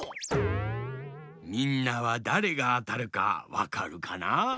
みんなはだれがあたるかわかるかな？